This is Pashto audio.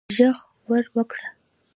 ږغ ور وکړه